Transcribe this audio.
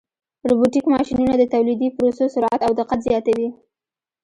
روبوټیک ماشینونه د تولیدي پروسو سرعت او دقت زیاتوي.